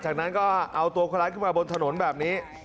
จากนั้นก็เอาตัวคนร้ายขึ้นมาบนถนนแบบนี้